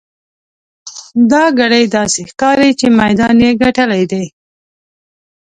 دا ګړی داسې ښکاري چې میدان یې ګټلی دی.